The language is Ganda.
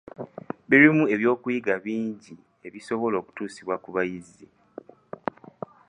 Birimu eby’okuyiga bingi ebisobola okutuusibwa ku bayizi.